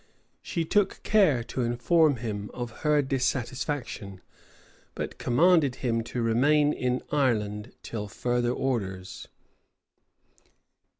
She took care to inform him of her dissatisfaction: but commanded him to remain in Ireland till further orders.